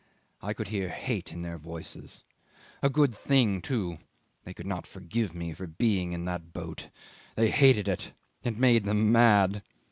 "I could hear hate in their voices. A good thing too. They could not forgive me for being in that boat. They hated it. It made them mad.